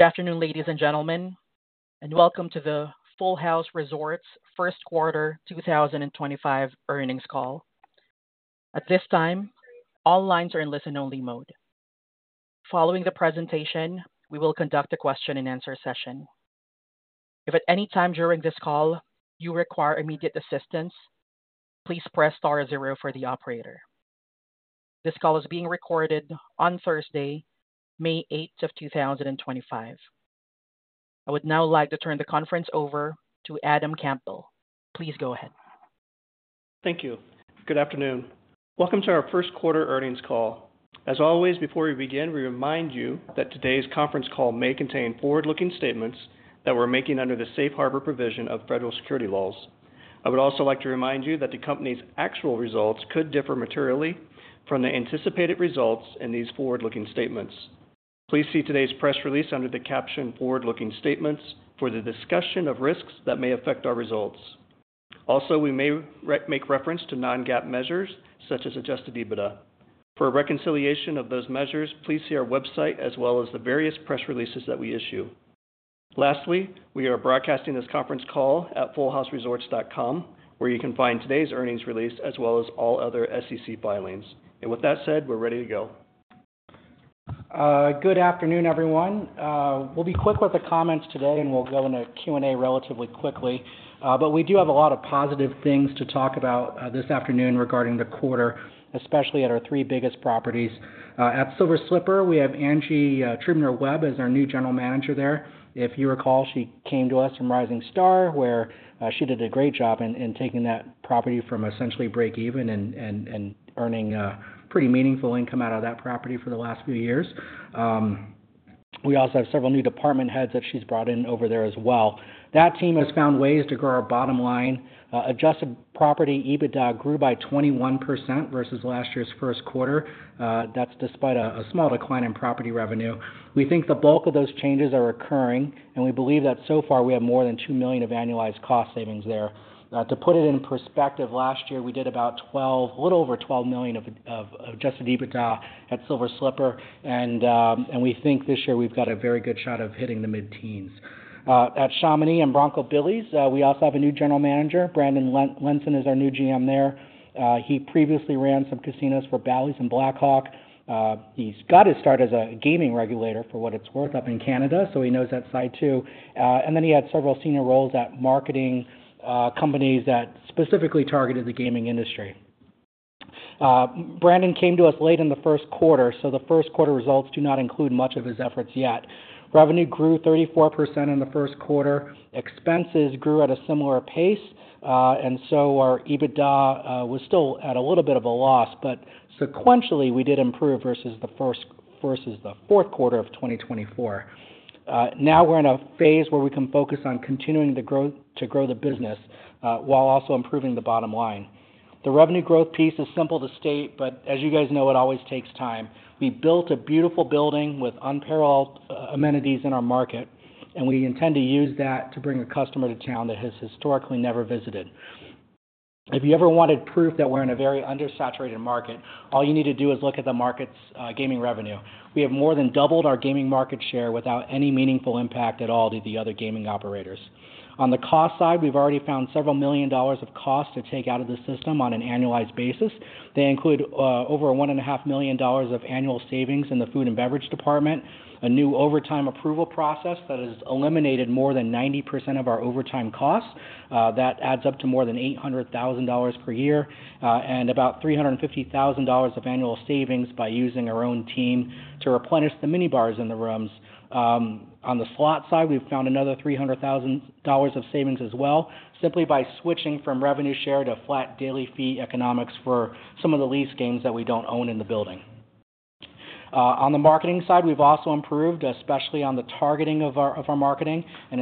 Good afternoon, ladies and gentlemen, and welcome to the Full House Resorts first quarter 2025 earnings call. At this time, all lines are in listen-only mode. Following the presentation, we will conduct a question-and-answer session. If at any time during this call you require immediate assistance, please press star zero for the operator. This call is being recorded on Thursday, May 8th of 2025. I would now like to turn the conference over to Adam Campbell. Please go ahead. Thank you. Good afternoon. Welcome to our first quarter earnings call. As always, before we begin, we remind you that today's conference call may contain forward-looking statements that we're making under the safe harbor provision of federal security laws. I would also like to remind you that the company's actual results could differ materially from the anticipated results in these forward-looking statements. Please see today's press release under the caption "Forward-looking Statements" for the discussion of risks that may affect our results. Also, we may make reference to non-GAAP measures such as Adjusted EBITDA. For reconciliation of those measures, please see our website as well as the various press releases that we issue. Lastly, we are broadcasting this conference call at fullhouseresorts.com, where you can find today's earnings release as well as all other SEC filings. With that said, we're ready to go. Good afternoon, everyone. We'll be quick with the comments today, and we'll go into Q&A relatively quickly. We do have a lot of positive things to talk about this afternoon regarding the quarter, especially at our three biggest properties. At Silver Slipper, we have Angie Truebner-Webb as our new General Manager there. If you recall, she came to us from Rising Star, where she did a great job in taking that property from essentially break-even and earning pretty meaningful income out of that property for the last few years. We also have several new department heads that she's brought in over there as well. That team has found ways to grow our bottom line. Adjusted property EBITDA grew by 21% versus last year's first quarter. That's despite a small decline in property revenue. We think the bulk of those changes are occurring, and we believe that so far we have more than $2 million of annualized cost savings there. To put it in perspective, last year we did about $12 million, a little over $12 million of adjusted EBITDA at Silver Slipper, and we think this year we've got a very good shot of hitting the mid-teens. At Chamonix and Bronco Billy's, we also have a new General Manager. Brandon Lenssen is our new GM there. He previously ran some casinos for Bally's and Blackhawk. He got his start as a gaming regulator, for what it's worth, up in Canada, so he knows that side too. He had several senior roles at marketing companies that specifically targeted the gaming industry. Brandon came to us late in the first quarter, so the first quarter results do not include much of his efforts yet. Revenue grew 34% in the first quarter. Expenses grew at a similar pace, and so our EBITDA was still at a little bit of a loss, but sequentially we did improve versus the fourth quarter of 2024. Now we are in a phase where we can focus on continuing to grow the business while also improving the bottom line. The revenue growth piece is simple to state, but as you guys know, it always takes time. We built a beautiful building with unparalleled amenities in our market, and we intend to use that to bring a customer to town that has historically never visited. If you ever wanted proof that we are in a very undersaturated market, all you need to do is look at the market's gaming revenue. We have more than doubled our gaming market share without any meaningful impact at all to the other gaming operators. On the cost side, we've already found several million dollars of cost to take out of the system on an annualized basis. They include over $1.5 million of annual savings in the food and beverage department, a new overtime approval process that has eliminated more than 90% of our overtime costs. That adds up to more than $800,000 per year and about $350,000 of annual savings by using our own team to replenish the minibars in the rooms. On the slot side, we've found another $300,000 of savings as well, simply by switching from revenue share to flat daily fee economics for some of the lease games that we don't own in the building. On the marketing side, we've also improved, especially on the targeting of our marketing and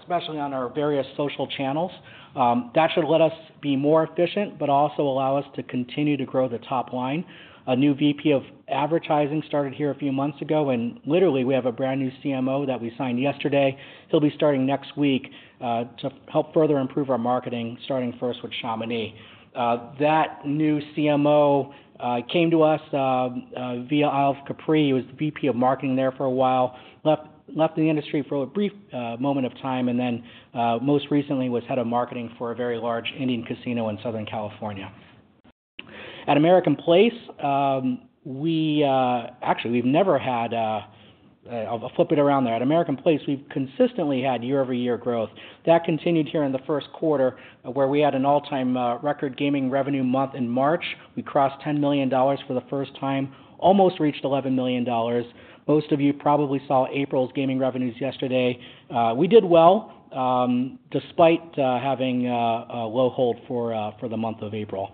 especially on our various social channels. That should let us be more efficient, but also allow us to continue to grow the top line. A new VP of Advertising started here a few months ago, and literally we have a brand new CMO that we signed yesterday. He'll be starting next week to help further improve our marketing, starting first with Chamonix. That new CMO came to us via Isle of Capri. He was the VP of Marketing there for a while, left the industry for a brief moment of time, and then most recently was head of marketing for a very large Indian casino in Southern California. At American Place, we actually, we've never had a flip it around there. At American Place, we've consistently had year-over-year growth. That continued here in the first quarter, where we had an all-time record gaming revenue month in March. We crossed $10 million for the first time, almost reached $11 million. Most of you probably saw April's gaming revenues yesterday. We did well despite having a low hold for the month of April.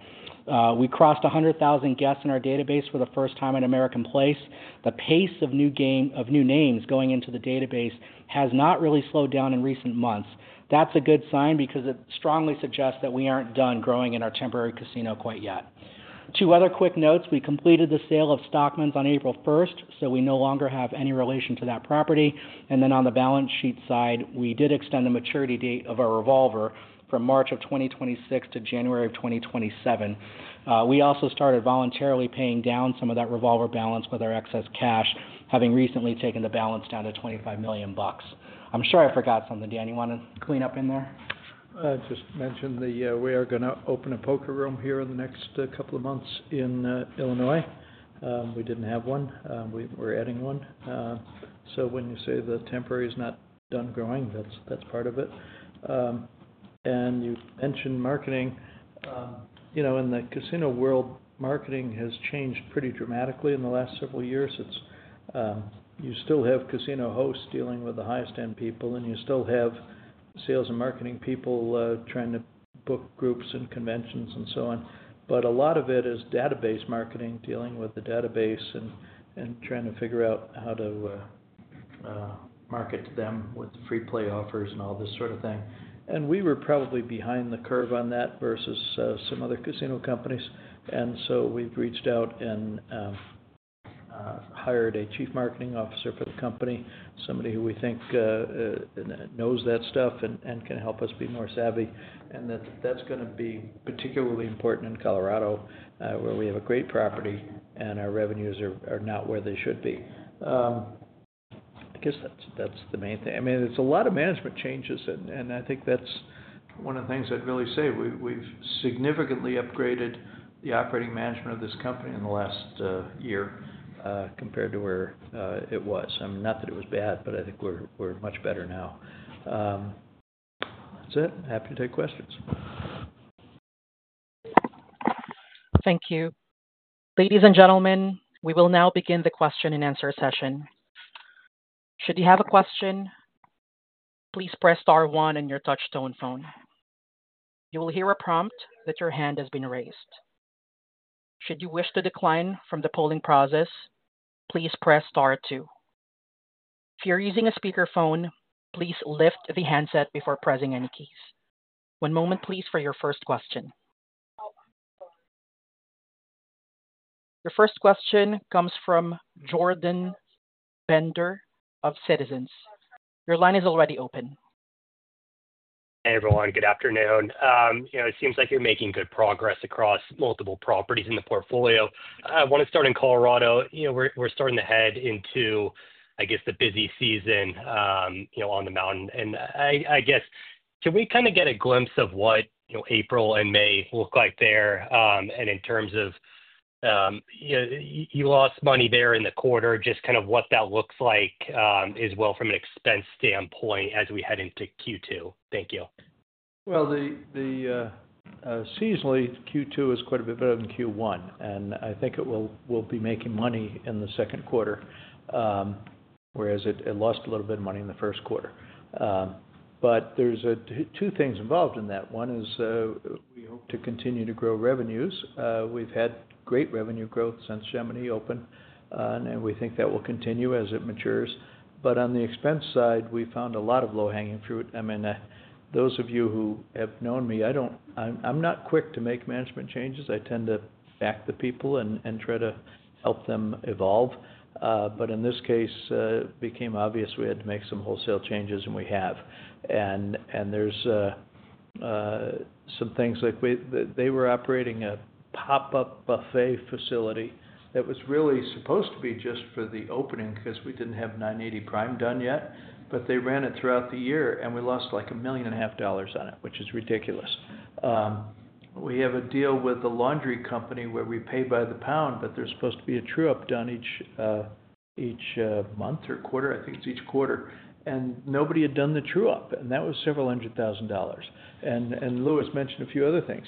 We crossed 100,000 guests in our database for the first time at American Place. The pace of new names going into the database has not really slowed down in recent months. That's a good sign because it strongly suggests that we aren't done growing in our temporary casino quite yet. Two other quick notes. We completed the sale of Stockman's on April 1st, so we no longer have any relation to that property. On the balance sheet side, we did extend the maturity date of our revolver from March of 2026 to January of 2027. We also started voluntarily paying down some of that revolver balance with our excess cash, having recently taken the balance down to $25 million. I'm sure I forgot something, Dan. You want to clean up in there? I just mentioned that we are going to open a poker room here in the next couple of months in Illinois. We didn't have one. We're adding one. When you say the temporary is not done growing, that's part of it. You mentioned marketing. You know, in the casino world, marketing has changed pretty dramatically in the last several years. You still have casino hosts dealing with the highest-end people, and you still have sales and marketing people trying to book groups and conventions and so on. A lot of it is database marketing, dealing with the database and trying to figure out how to market to them with free play offers and all this sort of thing. We were probably behind the curve on that versus some other casino companies. We have reached out and hired a chief marketing officer for the company, somebody who we think knows that stuff and can help us be more savvy. That is going to be particularly important in Colorado, where we have a great property and our revenues are not where they should be. I guess that is the main thing. I mean, it is a lot of management changes, and I think that is one of the things I would really say. We have significantly upgraded the operating management of this company in the last year compared to where it was. I mean, not that it was bad, but I think we are much better now. That is it. Happy to take questions. Thank you. Ladies and gentlemen, we will now begin the question-and-answer session. Should you have a question, please press star one on your touch-tone phone. You will hear a prompt that your hand has been raised. Should you wish to decline from the polling process, please press star two. If you are using a speakerphone, please lift the handset before pressing any keys. One moment, please, for your first question. Your first question comes from Jordan Bender of Citizens. Your line is already open. Hey, everyone. Good afternoon. You know, it seems like you're making good progress across multiple properties in the portfolio. I want to start in Colorado. You know, we're starting to head into, I guess, the busy season on the mountain. I guess, can we kind of get a glimpse of what April and May look like there? In terms of, you know, you lost money there in the quarter, just kind of what that looks like as well from an expense standpoint as we head into Q2. Thank you. Seasonally, Q2 is quite a bit better than Q1, and I think it will be making money in the second quarter, whereas it lost a little bit of money in the first quarter. There are two things involved in that. One is we hope to continue to grow revenues. We've had great revenue growth since Chamonix opened, and we think that will continue as it matures. On the expense side, we found a lot of low-hanging fruit. I mean, those of you who have known me, I do not--I'm not quick to make management changes. I tend to back the people and try to help them evolve. In this case, it became obvious we had to make some wholesale changes, and we have. There are some things like they were operating a pop-up buffet facility that was really supposed to be just for the opening because we did not have 980 Prime done yet, but they ran it throughout the year, and we lost like $1,500,000 on it, which is ridiculous. We have a deal with a laundry company where we pay by the pound, but there is supposed to be a true-up done each month or quarter. I think it is each quarter. Nobody had done the true-up, and that was several hundred thousand dollars. Lewis mentioned a few other things.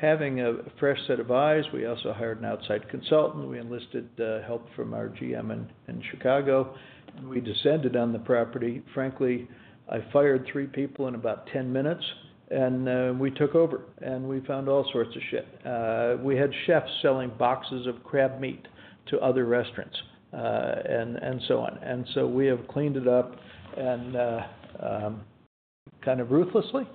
Having a fresh set of eyes, we also hired an outside consultant. We enlisted help from our GM in Chicago, and we descended on the property. Frankly, I fired three people in about 10 minutes, and we took over, and we found all sorts of shit. We had chefs selling boxes of crab meat to other restaurants and so on. We have cleaned it up kind of ruthlessly,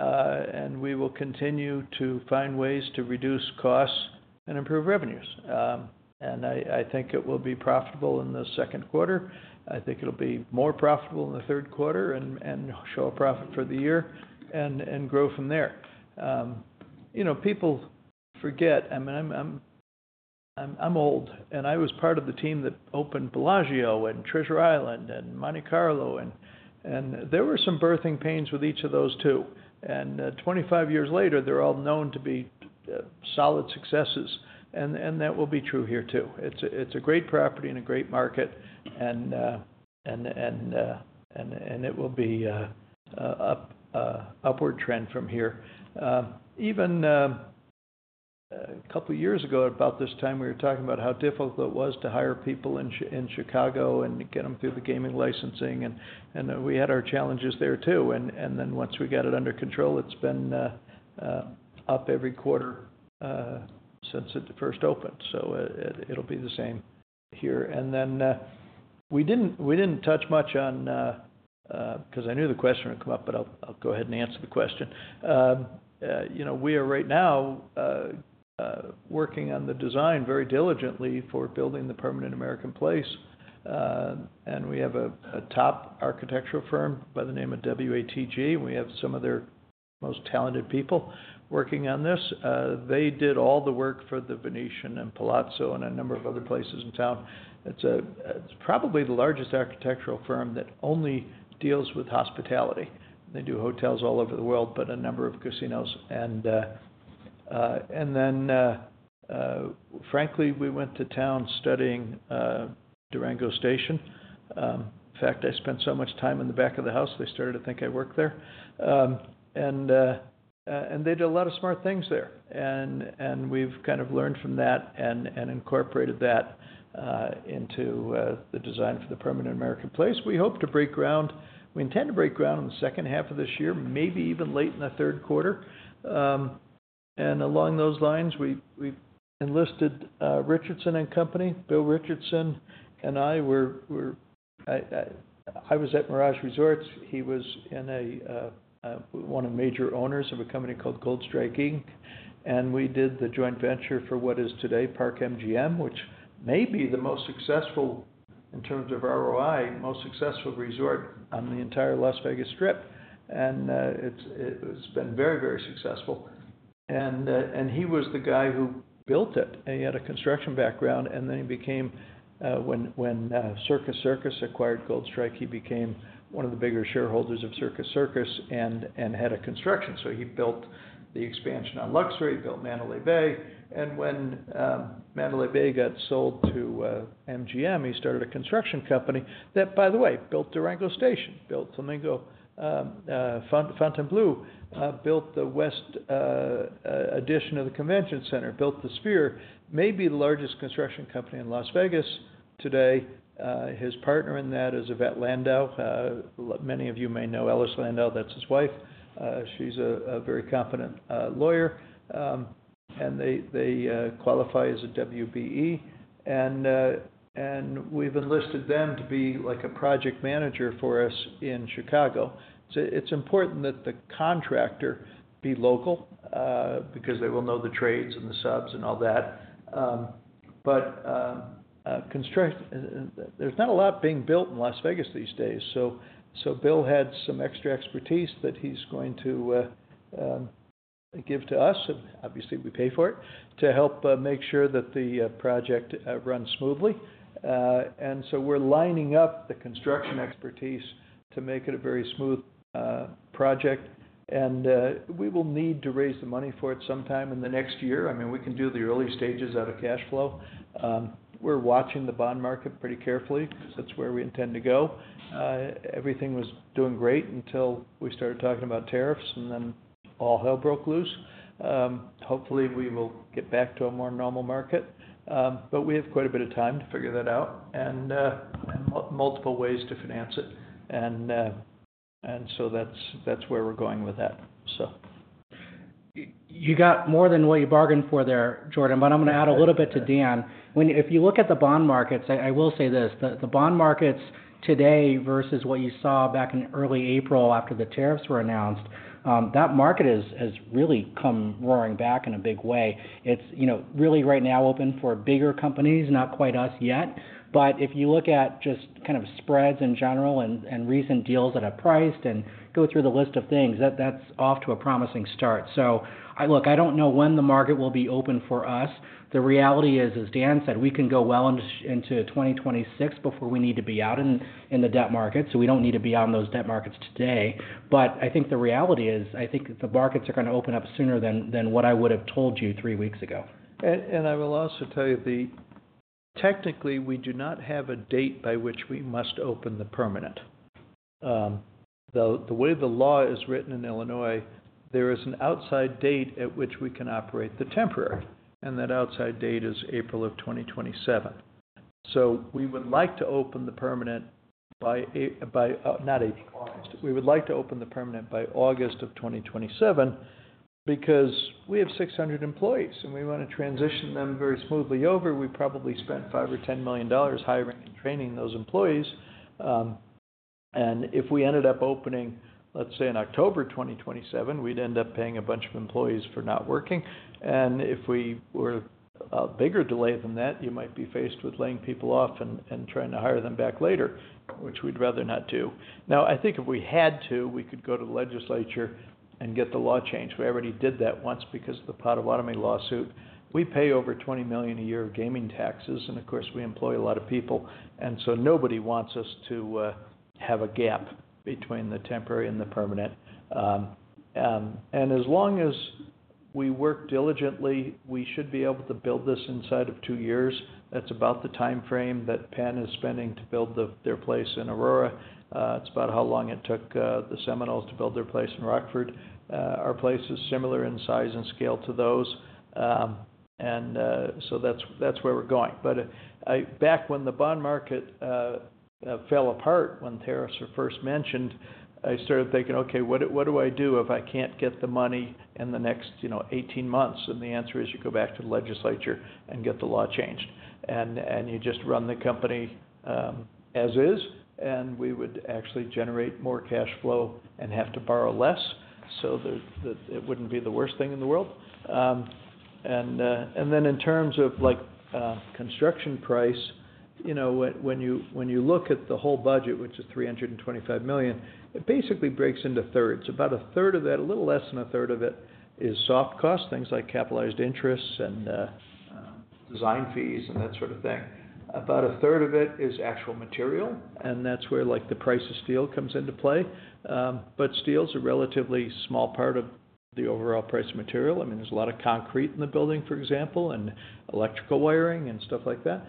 and we will continue to find ways to reduce costs and improve revenues. I think it will be profitable in the second quarter. I think it'll be more profitable in the third quarter and show a profit for the year and grow from there. You know, people forget. I mean, I'm old, and I was part of the team that opened Bellagio and Treasure Island and Monte Carlo, and there were some birthing pains with each of those too. Twenty-five years later, they're all known to be solid successes. That will be true here too. It's a great property and a great market, and it will be an upward trend from here. Even a couple of years ago, at about this time, we were talking about how difficult it was to hire people in Chicago and get them through the gaming licensing. We had our challenges there too. Once we got it under control, it has been up every quarter since it first opened. It will be the same here. We did not touch much on it because I knew the question would come up, but I will go ahead and answer the question. You know, we are right now working on the design very diligently for building the permanent American Place. We have a top architectural firm by the name of WATG. We have some of their most talented people working on this. They did all the work for the Venetian and Palazzo and a number of other places in town. It's probably the largest architectural firm that only deals with hospitality. They do hotels all over the world, but a number of casinos. Frankly, we went to town studying Durango Station. In fact, I spent so much time in the back of the house, they started to think I worked there. They did a lot of smart things there. We've kind of learned from that and incorporated that into the design for the permanent American Place. We hope to break ground. We intend to break ground in the second half of this year, maybe even late in the third quarter. Along those lines, we enlisted Richardson & Company. Bill Richardson and I were—I was at Mirage Resorts. He was one of the major owners of a company called Goldstrike Inc. We did the joint venture for what is today Park MGM, which may be the most successful, in terms of ROI, most successful resort on the entire Las Vegas Strip. It has been very, very successful. He was the guy who built it. He had a construction background, and then he became, when Circus Circus acquired Goldstrike, he became one of the bigger shareholders of Circus Circus and had a construction background. He built the expansion on Luxor, built Mandalay Bay. When Mandalay Bay got sold to MGM, he started a construction company that, by the way, built Durango Station, built Flamingo Fontainebleau, built the West addition of the Convention Center, built the Sphere, maybe the largest construction company in Las Vegas today. His partner in that is Yvette Landau. Many of you may know Ellis Landau. That is his wife. She is a very competent lawyer. They qualify as a WBE. We have enlisted them to be like a project manager for us in Chicago. It is important that the contractor be local because they will know the trades and the subs and all that. There is not a lot being built in Las Vegas these days. Bill had some extra expertise that he is going to give to us. Obviously, we pay for it to help make sure that the project runs smoothly. We are lining up the construction expertise to make it a very smooth project. We will need to raise the money for it sometime in the next year. I mean, we can do the early stages out of cash flow. We are watching the bond market pretty carefully because that is where we intend to go. Everything was doing great until we started talking about tariffs, and then all hell broke loose. Hopefully, we will get back to a more normal market. We have quite a bit of time to figure that out and multiple ways to finance it. That is where we are going with that. You got more than what you bargained for there, Jordan, but I'm going to add a little bit to Dan. If you look at the bond markets, I will say this: the bond markets today versus what you saw back in early April after the tariffs were announced, that market has really come roaring back in a big way. It's really right now open for bigger companies, not quite us yet. If you look at just kind of spreads in general and recent deals that have priced and go through the list of things, that's off to a promising start. Look, I don't know when the market will be open for us. The reality is, as Dan said, we can go well into 2026 before we need to be out in the debt market. We don't need to be on those debt markets today. I think the reality is, I think the markets are going to open up sooner than what I would have told you three weeks ago. I will also tell you that technically we do not have a date by which we must open the permanent. The way the law is written in Illinois, there is an outside date at which we can operate the temporary. That outside date is April of 2027. We would like to open the permanent by not April. We would like to open the permanent by August of 2027 because we have 600 employees, and we want to transition them very smoothly over. We probably spent $5 million or $10 million hiring and training those employees. If we ended up opening, let's say, in October 2027, we'd end up paying a bunch of employees for not working. If we were a bigger delay than that, you might be faced with laying people off and trying to hire them back later, which we'd rather not do. Now, I think if we had to, we could go to the legislature and get the law changed. We already did that once because of the Potawatomi lawsuit. We pay over $20 million a year of gaming taxes, and of course, we employ a lot of people. Nobody wants us to have a gap between the temporary and the permanent. As long as we work diligently, we should be able to build this inside of two years. That's about the time frame that Penn is spending to build their place in Aurora. It's about how long it took the Seminoles to build their place in Rockford. Our place is similar in size and scale to those. That's where we're going. Back when the bond market fell apart, when tariffs were first mentioned, I started thinking, okay, what do I do if I can't get the money in the next 18 months? The answer is you go back to the legislature and get the law changed. You just run the company as is. We would actually generate more cash flow and have to borrow less so that it wouldn't be the worst thing in the world. In terms of construction price, you know, when you look at the whole budget, which is $325 million, it basically breaks into thirds. About 1/3 of that, a little less than 1/3 it, is soft costs, things like capitalized interest and design fees and that sort of thing. About 1/3 of it is actual material. That's where the price of steel comes into play. Steel is a relatively small part of the overall price of material. I mean, there's a lot of concrete in the building, for example, and electrical wiring and stuff like that.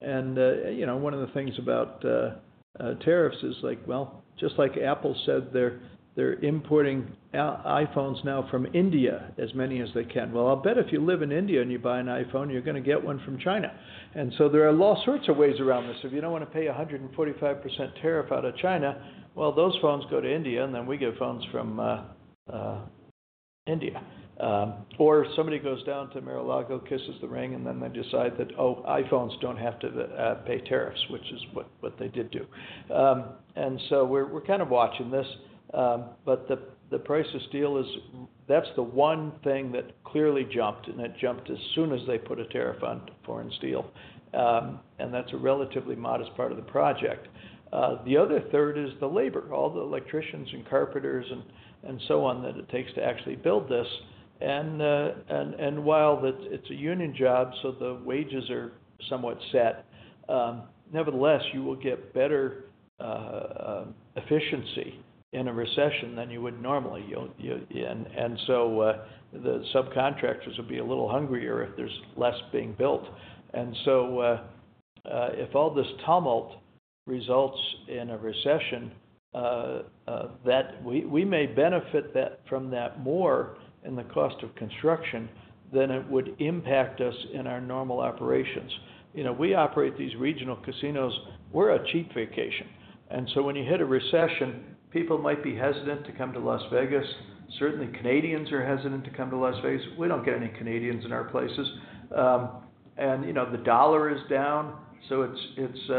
You know, one of the things about tariffs is like, just like Apple said, they're importing iPhones now from India as many as they can. I'll bet if you live in India and you buy an iPhone, you're going to get one from China. There are all sorts of ways around this. If you don't want to pay 145% tariff out of China, those phones go to India, and then we get phones from India. Somebody goes down to Mar-a-Lago, kisses the ring, and then they decide that, oh, iPhones do not have to pay tariffs, which is what they did do. We are kind of watching this. The price of steel is that's the one thing that clearly jumped, and it jumped as soon as they put a tariff on foreign steel. That's a relatively modest part of the project. The other third is the labor, all the electricians and carpenters and so on that it takes to actually build this. While it's a union job, so the wages are somewhat set, nevertheless, you will get better efficiency in a recession than you would normally. The subcontractors will be a little hungrier if there's less being built. If all this tumult results in a recession, we may benefit from that more in the cost of construction than it would impact us in our normal operations. You know, we operate these regional casinos. We're a cheap vacation. When you hit a recession, people might be hesitant to come to Las Vegas. Certainly, Canadians are hesitant to come to Las Vegas. We do not get any Canadians in our places. You know, the dollar is down. It is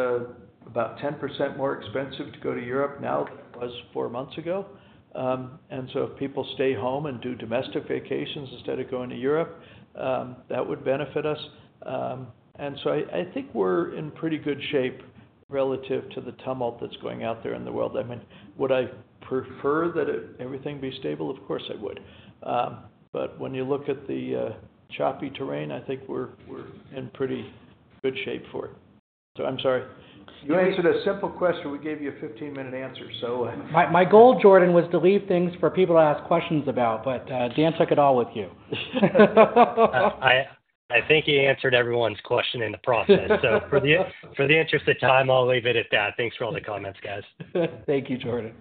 about 10% more expensive to go to Europe now than it was four months ago. If people stay home and do domestic vacations instead of going to Europe, that would benefit us. I think we are in pretty good shape relative to the tumult that is going out there in the world. I mean, would I prefer that everything be stable? Of course I would. When you look at the choppy terrain, I think we are in pretty good shape for it. I am sorry. You answered a simple question. We gave you a 15-minute answer. My goal, Jordan, was to leave things for people to ask questions about, but Dan took it all with you. I think he answered everyone's question in the process. For the interest of time, I'll leave it at that. Thanks for all the comments, guys. Thank you, Jordan.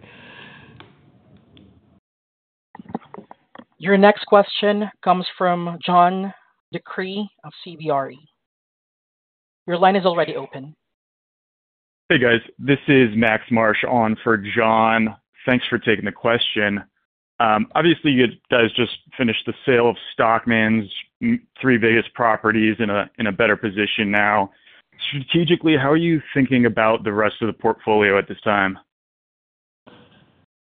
Your next question comes from John DeCree of CBRE. Your line is already open. Hey, guys. This is Max Marsh on for John. Thanks for taking the question. Obviously, you guys just finished the sale of Stockman's, three biggest properties in a better position now. Strategically, how are you thinking about the rest of the portfolio at this time?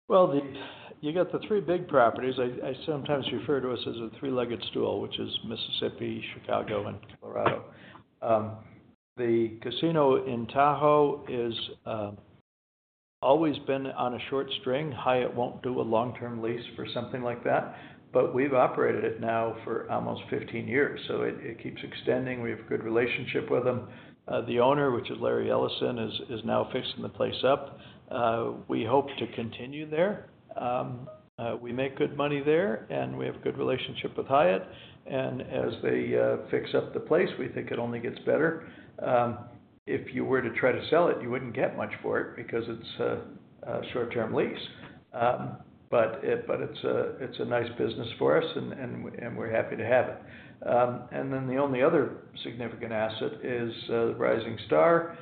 You got the three big properties. I sometimes refer to us as a three-legged stool, which is Mississippi, Chicago, and Colorado. The casino in Tahoe has always been on a short string. Hyatt will not do a long-term lease for something like that. We have operated it now for almost 15 years. It keeps extending. We have a good relationship with them. The owner, which is Larry Ellison, is now fixing the place up. We hope to continue there. We make good money there, and we have a good relationship with Hyatt. As they fix up the place, we think it only gets better. If you were to try to sell it, you would not get much for it because it is a short-term lease. It is a nice business for us, and we are happy to have it. The only other significant asset is the Rising Star.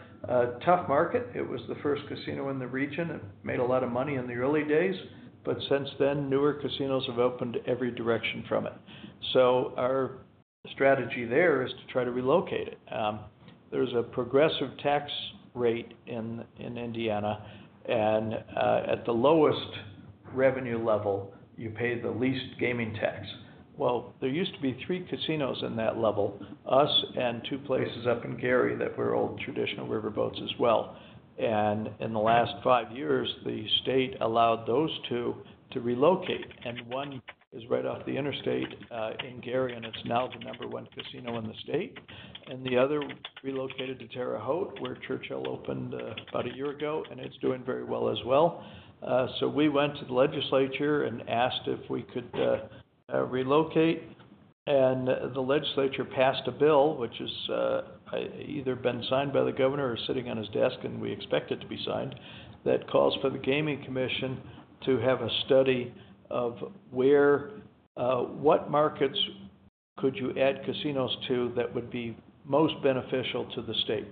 Tough market. It was the first casino in the region. It made a lot of money in the early days. Since then, newer casinos have opened every direction from it. Our strategy there is to try to relocate it. There is a progressive tax rate in Indiana, and at the lowest revenue level, you pay the least gaming tax. There used to be three casinos in that level: us and two places up in Gary that were old traditional river boats as well. In the last five years, the state allowed those two to relocate. One is right off the interstate in Gary, and it is now the number one casino in the state. The other relocated to Terre Haute, where Churchill opened about a year ago, and it is doing very well as well. We went to the legislature and asked if we could relocate. The legislature passed a bill, which has either been signed by the governor or is sitting on his desk, and we expect it to be signed, that calls for the Gaming Commission to have a study of what markets could you add casinos to that would be most beneficial to the state.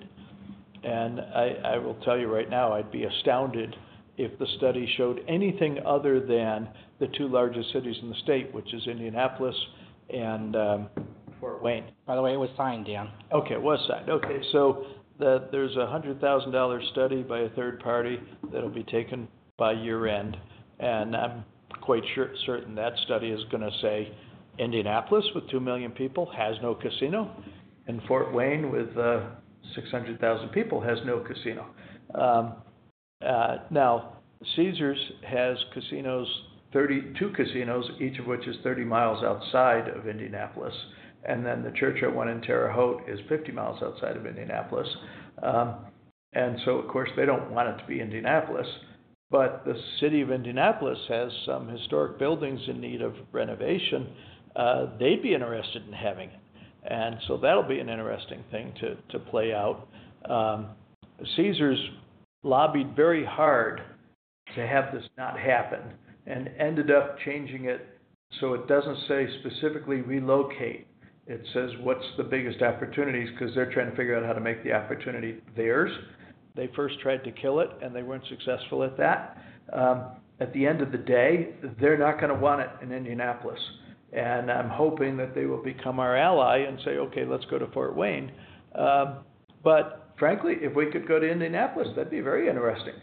I will tell you right now, I'd be astounded if the study showed anything other than the two largest cities in the state, which are Indianapolis and Fort Wayne. By the way, it was signed, Dan. Okay, it was signed. Okay. So there's a $100,000 study by a third party that'll be taken by year-end. And I'm quite certain that study is going to say Indianapolis with 2 million people has no casino, and Fort Wayne with 600,000 people has no casino. Now, Caesars has two casinos, each of which is 30 mi outside of Indianapolis. And then the Churchill one in Terre Haute is 50 mi outside of Indianapolis. And, of course, they don't want it to be Indianapolis. But the city of Indianapolis has some historic buildings in need of renovation. They'd be interested in having it. And so that'll be an interesting thing to play out. Caesars lobbied very hard to have this not happen and ended up changing it. So it doesn't say specifically relocate. It says what's the biggest opportunities because they're trying to figure out how to make the opportunity theirs. They first tried to kill it, and they weren't successful at that. At the end of the day, they're not going to want it in Indianapolis. I'm hoping that they will become our ally and say, okay, let's go to Fort Wayne. Frankly, if we could go to Indianapolis, that'd be very interesting.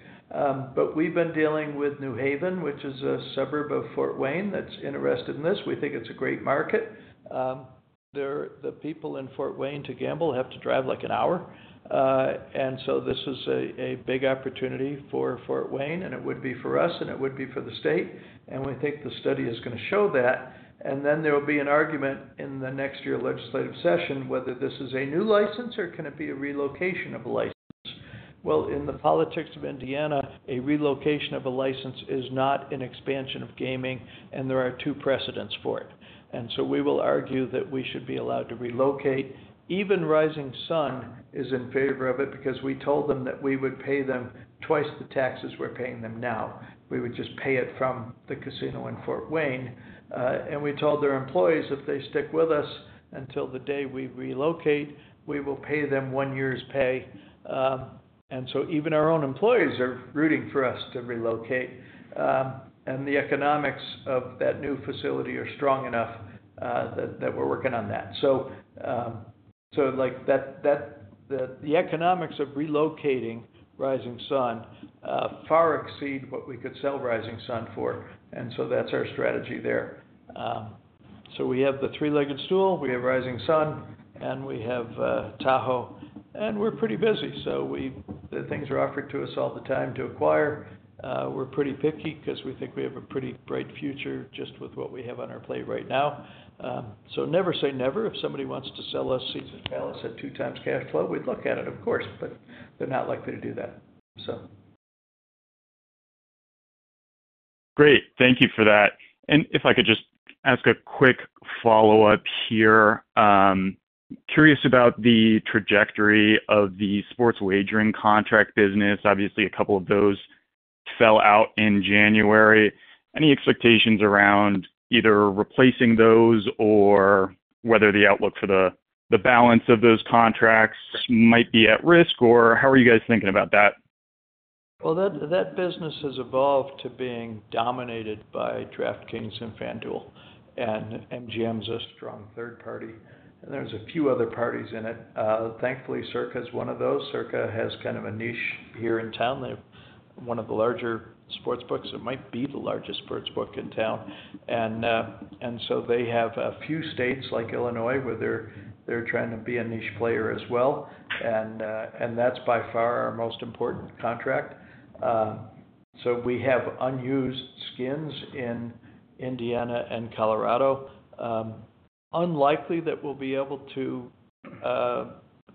We've been dealing with New Haven, which is a suburb of Fort Wayne that's interested in this. We think it's a great market. The people in Fort Wayne to gamble have to drive like an hour. This is a big opportunity for Fort Wayne, and it would be for us, and it would be for the state. We think the study is going to show that. There will be an argument in the next year's legislative session whether this is a new license or can it be a relocation of a license. In the politics of Indiana, a relocation of a license is not an expansion of gaming, and there are two precedents for it. We will argue that we should be allowed to relocate. Even Rising Sun is in favor of it because we told them that we would pay them twice the taxes we are paying them now. We would just pay it from the casino in Fort Wayne. We told their employees if they stick with us until the day we relocate, we will pay them one year's pay. Even our own employees are rooting for us to relocate. The economics of that new facility are strong enough that we are working on that. The economics of relocating Rising Sun far exceed what we could sell Rising Sun for. That is our strategy there. We have the three-legged stool, we have Rising Sun, and we have Tahoe. We are pretty busy. Things are offered to us all the time to acquire. We are pretty picky because we think we have a pretty bright future just with what we have on our plate right now. Never say never. If somebody wants to sell us Seasons Palace at two times cash flow, we would look at it, of course. They are not likely to do that, though. Great. Thank you for that. If I could just ask a quick follow-up here. Curious about the trajectory of the sports wagering contract business. Obviously, a couple of those fell out in January. Any expectations around either replacing those or whether the outlook for the balance of those contracts might be at risk? How are you guys thinking about that? That business has evolved to being dominated by DraftKings and FanDuel. MGM's a strong third party. There are a few other parties in it. Thankfully, Circa's one of those. Circa has kind of a niche here in town. They have one of the larger sports books. It might be the largest sports book in town. They have a few states like Illinois where they're trying to be a niche player as well. That's by far our most important contract. We have unused skins in Indiana and Colorado. Unlikely that we'll be able to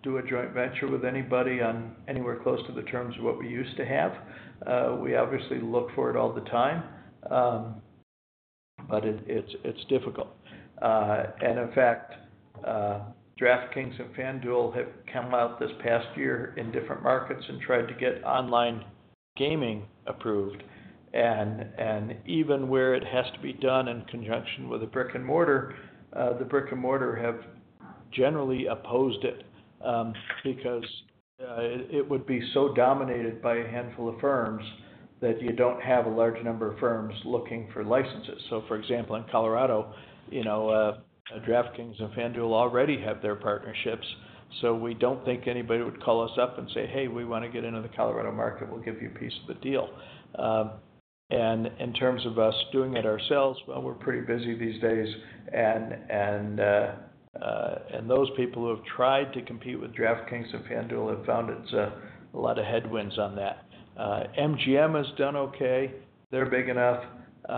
do a joint venture with anybody on anywhere close to the terms of what we used to have. We obviously look for it all the time. It's difficult. In fact, DraftKings and FanDuel have come out this past year in different markets and tried to get online gaming approved. Even where it has to be done in conjunction with a brick and mortar, the brick and mortar have generally opposed it because it would be so dominated by a handful of firms that you do not have a large number of firms looking for licenses. For example, in Colorado, you know DraftKings and FanDuel already have their partnerships. We do not think anybody would call us up and say, "Hey, we want to get into the Colorado market. We will give you a piece of the deal." In terms of us doing it ourselves, we are pretty busy these days. Those people who have tried to compete with DraftKings and FanDuel have found it is a lot of headwinds on that. MGM has done okay. They're big enough. There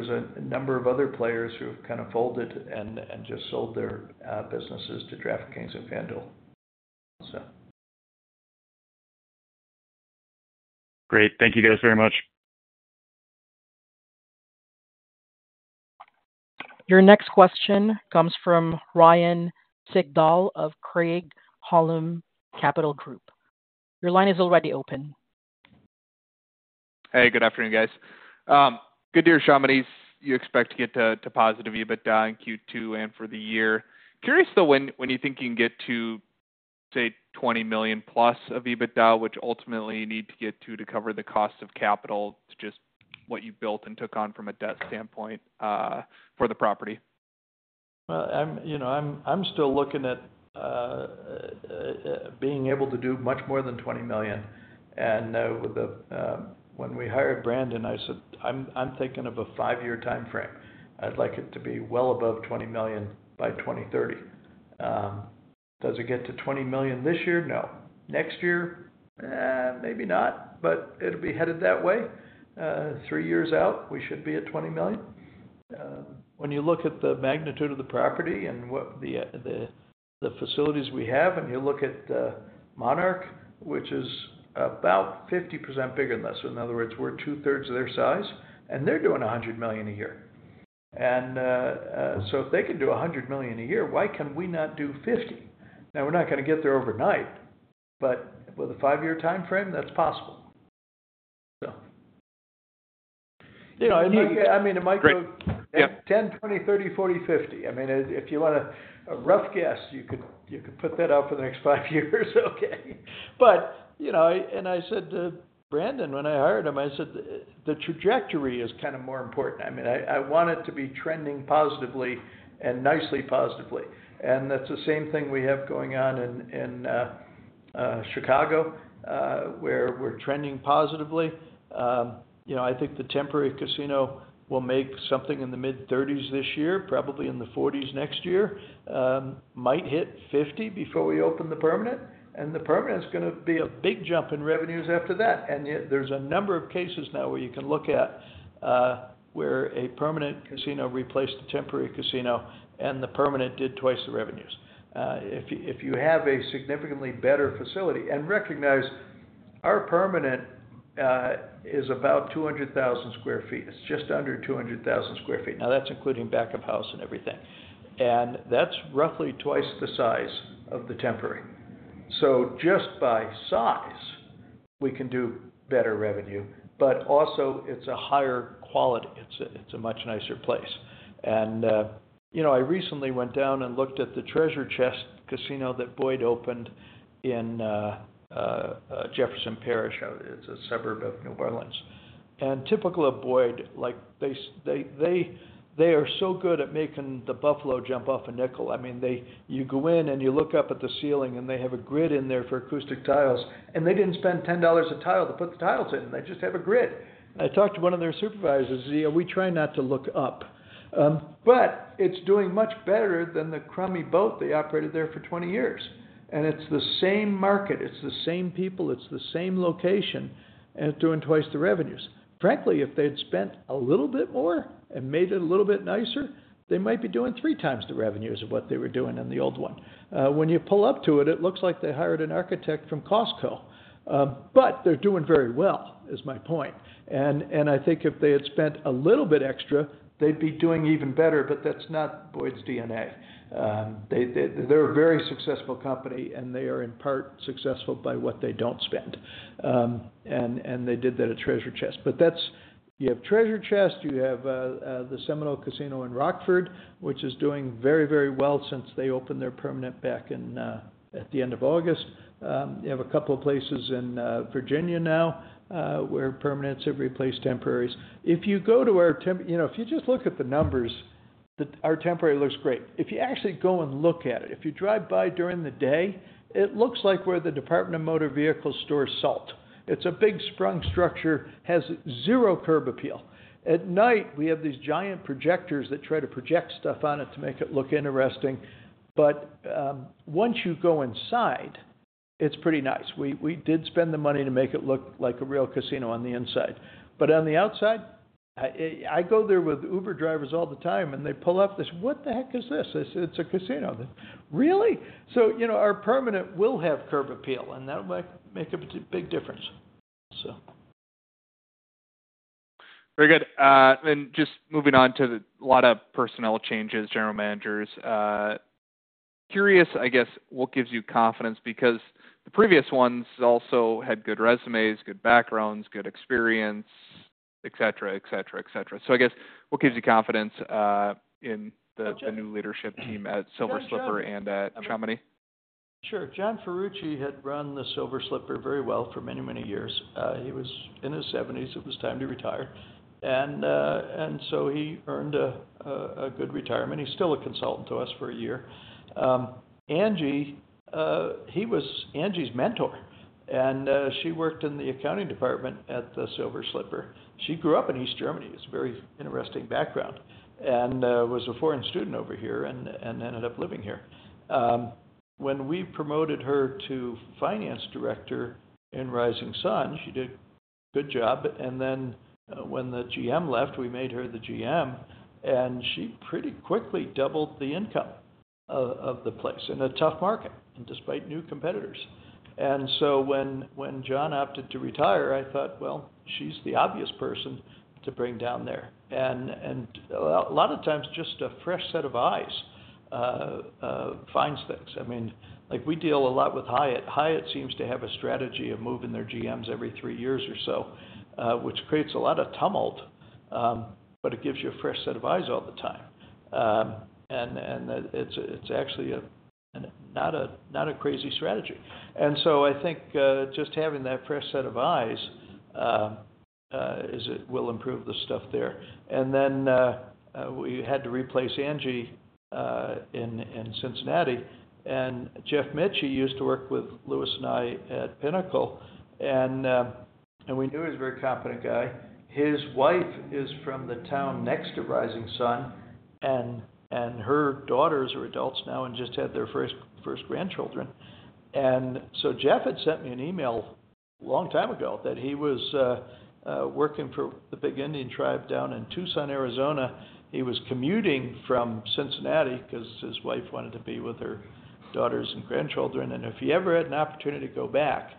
are a number of other players who have kind of folded and just sold their businesses to DraftKings and FanDuel. Great. Thank you guys very much. Your next question comes from Ryan Sigdahl of Craig-Hallum Capital Group. Your line is already open. Hey, good afternoon, guys. Good to hear your Chamonix's. You expect to get to positive EBITDA in Q2 and for the year. Curious though, when you think you can get to, say, $20 million+ of EBITDA, which ultimately you need to get to to cover the cost of capital, just what you built and took on from a debt standpoint for the property. I'm still looking at being able to do much more than $20 million. When we hired Brandon, I said, "I'm thinking of a five-year time frame. I'd like it to be well above $20 million by 2030." Does it get to $20 million this year? No. Next year, maybe not. It'll be headed that way. Three years out, we should be at $20 million. When you look at the magnitude of the property and the facilities we have, and you look at Monarch, which is about 50% bigger than us. In other words, we're 2/3 of their size. They're doing $100 million a year. If they can do $100 million a year, why can we not do $50 million? We're not going to get there overnight. With a five-year time frame, that's possible. You know. I mean, it might go $10 million, $20 million, $30 million, $40 million, $50 million. I mean, if you want a rough guess, you could put that out for the next five years. Okay. You know, and I said to Brandon when I hired him, I said, "The trajectory is kind of more important. I mean, I want it to be trending positively and nicely positively." That is the same thing we have going on in Chicago, where we are trending positively. You know, I think the temporary casino will make something in the mid-30 millions this year, probably in the $40 millions next year. Might hit $50 million before we open the permanent. The permanent is going to be a big jump in revenues after that. There are a number of cases now where you can look at where a permanent casino replaced a temporary casino, and the permanent did twice the revenues. If you have a significantly better facility and recognize our permanent is about 200,000 sq ft. It's just under 200,000 sq ft. Now, that's including back of house and everything. And that's roughly twice the size of the temporary. So just by size, we can do better revenue. But also, it's a higher quality. It's a much nicer place. You know, I recently went down and looked at the Treasure Chest casino that Boyd opened in Jefferson Parish. It's a suburb of New Orleans. Typical of Boyd, like they are so good at making the buffalo jump off a nickel. I mean, you go in and you look up at the ceiling, and they have a grid in there for acoustic tiles. They didn't spend $10 a tile to put the tiles in. They just have a grid. I talked to one of their supervisors. We try not to look up. But it's doing much better than the crummy boat they operated there for 20 years. And it's the same market. It's the same people. It's the same location. And it's doing twice the revenues. Frankly, if they'd spent a little bit more and made it a little bit nicer, they might be doing three times the revenues of what they were doing in the old one. When you pull up to it, it looks like they hired an architect from Costco. But they're doing very well, is my point. And I think if they had spent a little bit extra, they'd be doing even better. But that's not Boyd's DNA. They're a very successful company, and they are in part successful by what they don't spend. And they did that at Treasure Chest. But you have Treasure Chest. You have the Seminole Casino in Rockford, which is doing very, very well since they opened their permanent back at the end of August. You have a couple of places in Virginia now where permanents have replaced temporaries. If you go to our temp, you know, if you just look at the numbers, our temporary looks great. If you actually go and look at it, if you drive by during the day, it looks like where the Department of Motor Vehicles stores salt. It's a big sprung structure, has zero curb appeal. At night, we have these giant projectors that try to project stuff on it to make it look interesting. Once you go inside, it's pretty nice. We did spend the money to make it look like a real casino on the inside. On the outside, I go there with Uber drivers all the time, and they pull up this, "What the heck is this?" I said, "It's a casino." Really? You know our permanent will have curb appeal, and that might make a big difference. Very good. Just moving on to a lot of personnel changes, general managers. Curious, I guess, what gives you confidence? Because the previous ones also had good resumes, good backgrounds, good experience, et cetera, et cetera, et cetera. I guess, what gives you confidence in the new leadership team at Silver Slipper and at Chamonix? Sure. John Ferrucci had run the Silver Slipper very well for many, many years. He was in his 70s. It was time to retire. He earned a good retirement. He's still a consultant to us for a year. Angie, he was Angie's mentor. She worked in the accounting department at the Silver Slipper. She grew up in East Germany. It's a very interesting background. She was a foreign student over here and ended up living here. When we promoted her to Finance Director in Rising Sun, she did a good job. When the GM left, we made her the GM. She pretty quickly doubled the income of the place in a tough market, despite new competitors. When John opted to retire, I thought, "Well, she's the obvious person to bring down there." A lot of times, just a fresh set of eyes finds things. I mean, like we deal a lot with Hyatt. Hyatt seems to have a strategy of moving their GMs every three years or so, which creates a lot of tumult. It gives you a fresh set of eyes all the time. It's actually not a crazy strategy. I think just having that fresh set of eyes will improve the stuff there. We had to replace Angie in Cincinnati. Jeff Mitch, he used to work with Lewis and I at Pinnacle. We knew he was a very competent guy. His wife is from the town next to Rising Sun. Her daughters are adults now and just had their first grandchildren. Jeff had sent me an email a long time ago that he was working for the Big Indian Tribe down in Tucson, Arizona. He was commuting from Cincinnati because his wife wanted to be with her daughters and grandchildren. If he ever had an opportunity to go back,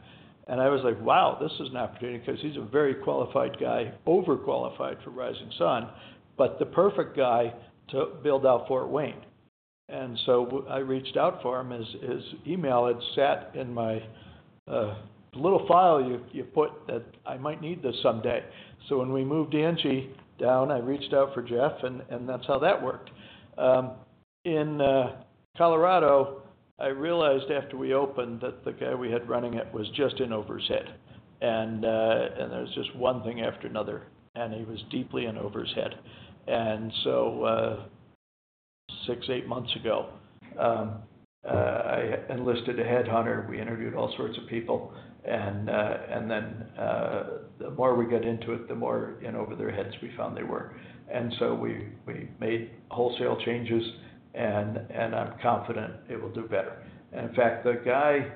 I was like, "Wow, this is an opportunity," because he's a very qualified guy, overqualified for Rising Sun, but the perfect guy to build out Fort Wayne. I reached out for him. His email had sat in my little file you put that I might need this someday. When we moved Angie down, I reached out for Jeff. That's how that worked. In Colorado, I realized after we opened that the guy we had running it was just in over his head. There was just one thing after another. He was deeply in over his head. Six, eight months ago, I enlisted a headhunter. We interviewed all sorts of people. The more we got into it, the more in over their heads we found they were. We made wholesale changes. I'm confident it will do better. In fact, the guy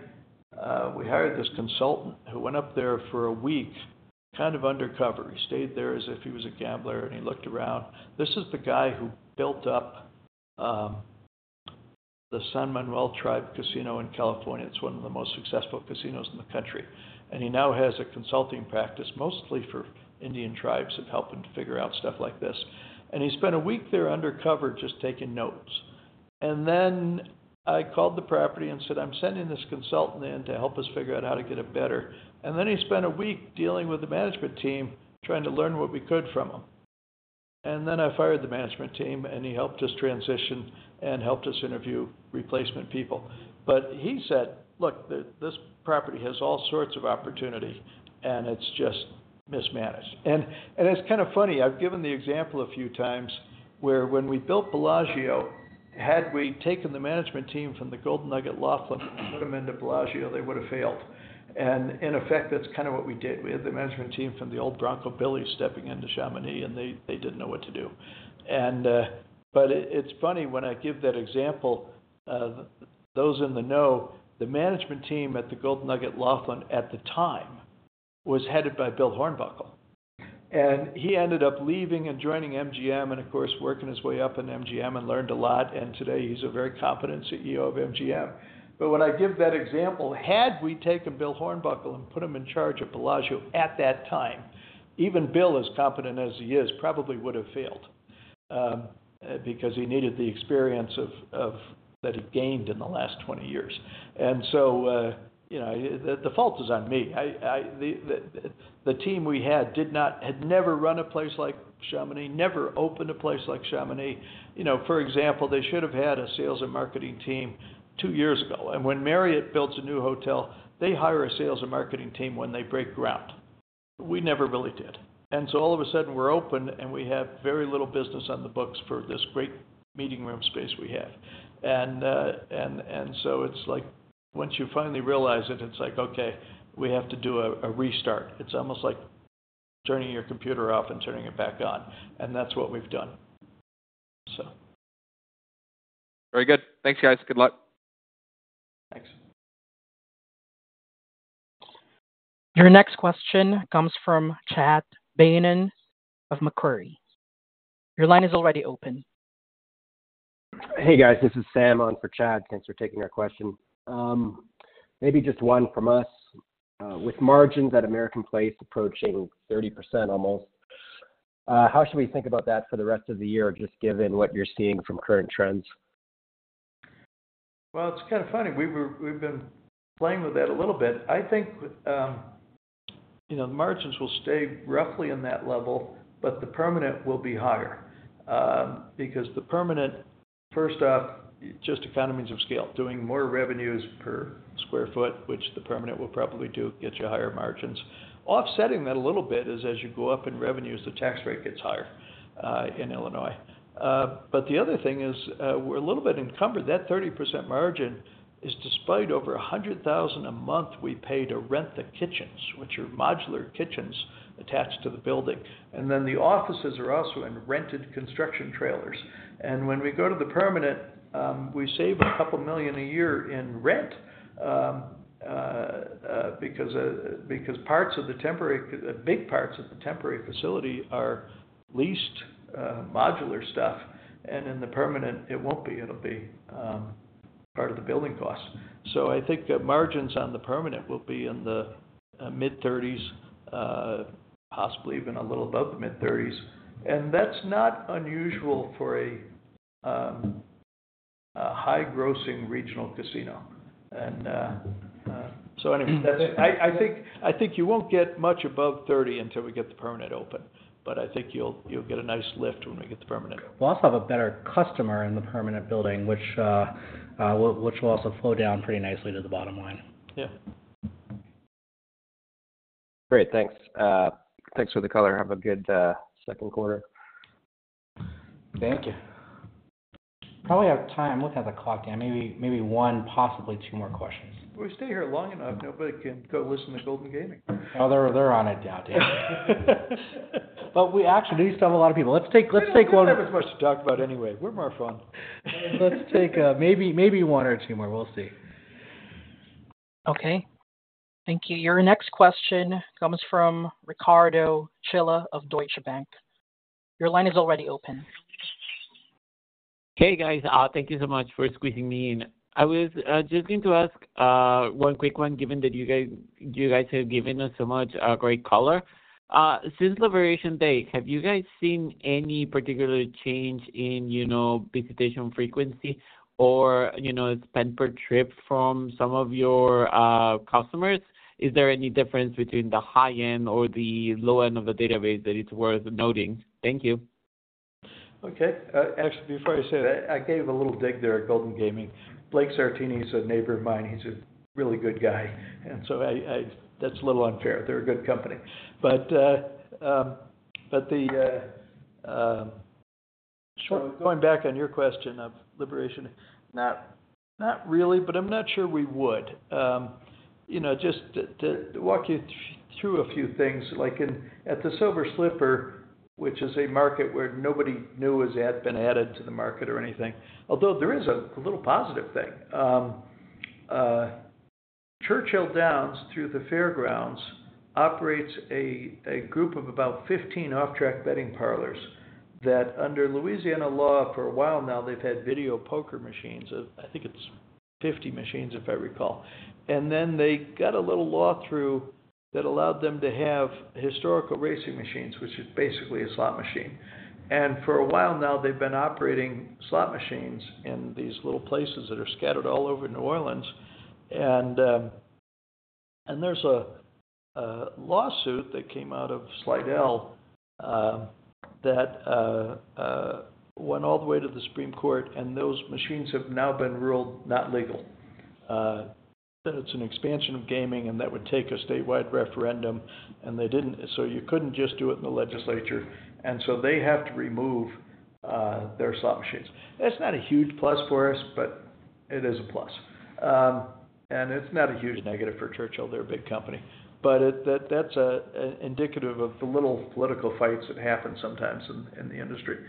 we hired, this consultant who went up there for a week kind of undercover, he stayed there as if he was a gambler. He looked around. This is the guy who built up the San Manuel Tribe Casino in California. It's one of the most successful casinos in the country. He now has a consulting practice mostly for Indian tribes and helping to figure out stuff like this. He spent a week there undercover just taking notes. I called the property and said, "I'm sending this consultant in to help us figure out how to get it better." He spent a week dealing with the management team trying to learn what we could from him. I fired the management team. He helped us transition and helped us interview replacement people. He said, "Look, this property has all sorts of opportunity. It's just mismanaged." It's kind of funny. I've given the example a few times where when we built Bellagio, had we taken the management team from the Golden Nugget Laughlin and put them into Bellagio, they would have failed. In effect, that's kind of what we did. We had the management team from the old Bronco Billy's stepping into Chamonix. They didn't know what to do. It's funny when I give that example, those in the know, the management team at the Golden Nugget Laughlin at the time was headed by Bill Hornbuckle. He ended up leaving and joining MGM and, of course, working his way up in MGM and learned a lot. Today, he's a very competent CEO of MGM. When I give that example, had we taken Bill Hornbuckle and put him in charge of Bellagio at that time, even Bill, as competent as he is, probably would have failed because he needed the experience that he gained in the last 20 years. You know the fault is on me. The team we had had never run a place like Chamonix, never opened a place like Chamonix. You know, for example, they should have had a sales and marketing team two years ago. When Marriott builds a new hotel, they hire a sales and marketing team when they break ground. We never really did. All of a sudden, we're open, and we have very little business on the books for this great meeting room space we have. Once you finally realize it, it's like, "Okay, we have to do a restart." It's almost like turning your computer off and turning it back on. That's what we've done. Very good. Thanks, guys. Good luck. Thanks. Your next question comes from Chad Beynon of Macquarie. Your line is already open. Hey, guys. This is Sam on for Chad. Thanks for taking our question. Maybe just one from us. With margins at American Place approaching 30% almost, how should we think about that for the rest of the year, just given what you're seeing from current trends? It's kind of funny. We've been playing with that a little bit. I think you know the margins will stay roughly in that level. The permanent will be higher. Because the permanent, first off, just economies of scale. Doing more revenues per sq ft, which the permanent will probably do, gets you higher margins. Offsetting that a little bit is as you go up in revenues, the tax rate gets higher in Illinois. The other thing is we're a little bit encumbered. That 30% margin is despite over $100,000 a month we pay to rent the kitchens, which are modular kitchens attached to the building. The offices are also in rented construction trailers. When we go to the permanent, we save a couple million a year in rent because parts of the temporary, big parts of the temporary facility, are leased modular stuff. In the permanent, it will not be. It will be part of the building costs. I think the margins on the permanent will be in the mid-30%, possibly even a little above the mid-30%. That is not unusual for a high-grossing regional casino. I think you will not get much above 30% until we get the permanent open. I think you will get a nice lift when we get the permanent. We'll also have a better customer in the permanent building, which will also flow down pretty nicely to the bottom line. Yeah. Great. Thanks. Thanks for the color. Have a good second quarter. Thank you. Probably out of time. I'm looking at the clock. Maybe one, possibly two more questions. If we stay here long enough, nobody can go listen to Golden Gaming. Oh, they're on it now, Dan, We actually do still have a lot of people. Let's take one. We do not have as much to talk about anyway. We are more fun. Let's take maybe one or two more. We will see. Okay. Thank you. Your next question comes from Ricardo Chinchilla of Deutsche Bank. Your line is already open. Hey, guys. Thank you so much for squeezing me in. I was just going to ask one quick one, given that you guys have given us so much great color. Since Liberation Day, have you guys seen any particular change in visitation frequency or spend per trip from some of your customers? Is there any difference between the high end or the low end of the database that it's worth noting? Thank you. Okay. Actually, before I say that, I gave a little dig there at Golden Gaming. Blake Sartini is a neighbor of mine. He's a really good guy. That is a little unfair. They're a good company. Going back on your question of Liberation, not really. I'm not sure we would. You know, just to walk you through a few things. Like at the Silver Slipper, which is a market where nobody new has been added to the market or anything, although there is a little positive thing. Churchill Downs, through the fairgrounds, operates a group of about 15 off-track betting parlors that, under Louisiana law for a while now, they've had video poker machines. I think it's 50 machines, if I recall. Then they got a little law through that allowed them to have historical racing machines, which is basically a slot machine. For a while now, they've been operating slot machines in these little places that are scattered all over New Orleans. There's a lawsuit that came out of Slidell that went all the way to the Supreme Court. Those machines have now been ruled not legal. It's an expansion of gaming. That would take a statewide referendum. They didn't. You couldn't just do it in the legislature. They have to remove their slot machines. That's not a huge plus for us, but it is a plus. It's not a huge negative for Churchill. They're a big company. That's indicative of the little political fights that happen sometimes in the industry.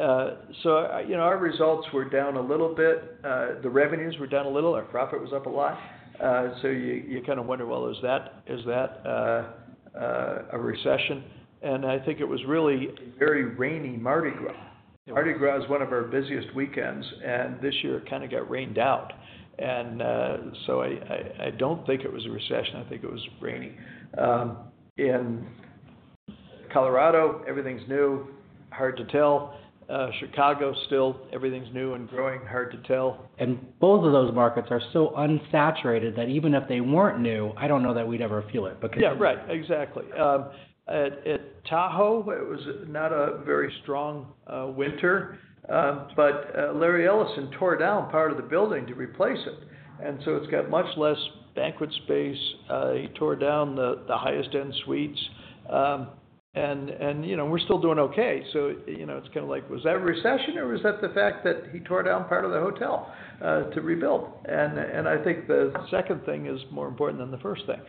You know our results were down a little bit. The revenues were down a little. Our profit was up a lot. You kind of wonder, is that a recession? I think it was really a very rainy Mardi Gras. Mardi Gras is one of our busiest weekends. This year kind of got rained out. I do not think it was a recession. I think it was rainy. In Colorado, everything is new. Hard to tell. Chicago, still everything is new and growing. Hard to tell. Both of those markets are so unsaturated that even if they weren't new, I don't know that we'd ever feel it. Yeah, right. Exactly. At Tahoe, it was not a very strong winter. Larry Ellison tore down part of the building to replace it. It has much less banquet space. He tore down the highest-end suites. You know, we are still doing okay. You know, it is kind of like, was that a recession? Or was that the fact that he tore down part of the hotel to rebuild? I think the second thing is more important than the first thing.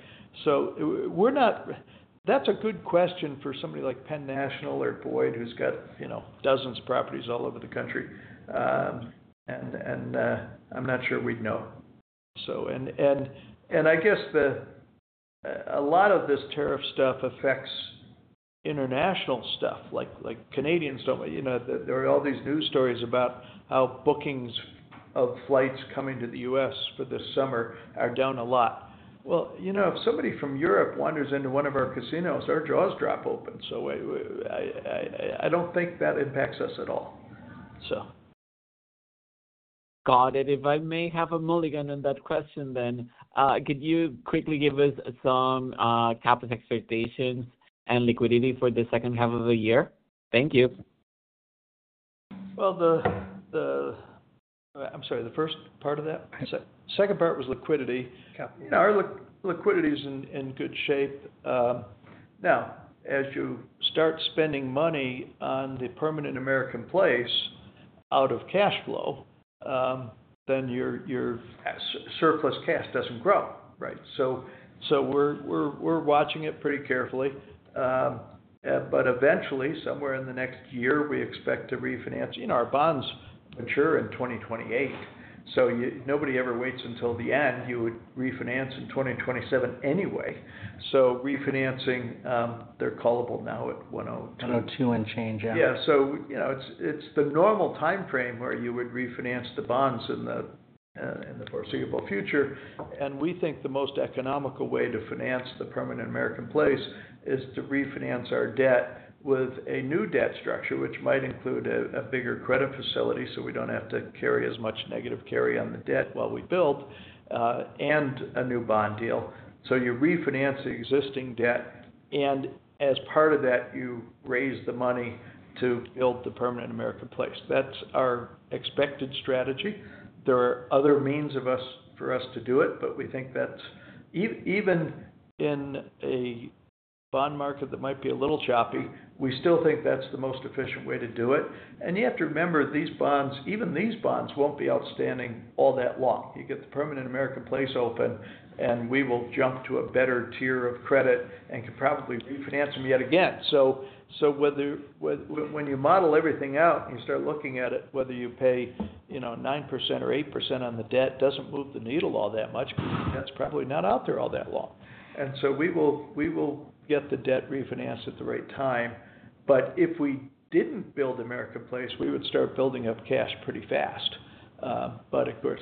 That is a good question for somebody like Penn National or Boyd, who has dozens of properties all over the country. I am not sure we would know. I guess a lot of this tariff stuff affects international stuff. Like Canadians do not know. There are all these news stories about how bookings of flights coming to the U.S. for this summer are down a lot. You know if somebody from Europe wanders into one of our casinos, our jaws drop open. So I do not think that impacts us at all. Got it. If I may have a mulligan on that question then, could you quickly give us some capital expectations and liquidity for the second half of the year? Thank you. I'm sorry, the first part of that? The second part was liquidity. Yeah. Our liquidity is in good shape. Now, as you start spending money on the permanent American Place out of cash flow, then your surplus cash does not grow. Right? We are watching it pretty carefully. Eventually, somewhere in the next year, we expect to refinance. You know our bonds mature in 2028. Nobody ever waits until the end. You would refinance in 2027 anyway. Refinancing, they are callable now at 102. 102 and change. Yeah. Yeah. So you know it's the normal time frame where you would refinance the bonds in the foreseeable future. We think the most economical way to finance the permanent American Place is to refinance our debt with a new debt structure, which might include a bigger credit facility so we don't have to carry as much negative carry on the debt while we build, and a new bond deal. You refinance the existing debt. As part of that, you raise the money to build the permanent American Place. That's our expected strategy. There are other means for us to do it. We think that even in a bond market that might be a little choppy, we still think that's the most efficient way to do it. You have to remember, even these bonds won't be outstanding all that long. You get the permanent American Place open. We will jump to a better tier of credit and can probably refinance them yet again. When you model everything out and you start looking at it, whether you pay 9% or 8% on the debt does not move the needle all that much. That is probably not out there all that long. We will get the debt refinanced at the right time. If we did not build American Place, we would start building up cash pretty fast. Of course,